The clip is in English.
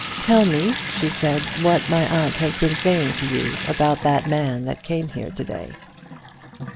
"Tell me," she said, "what my aunt has been saying to you about that man that came here to day."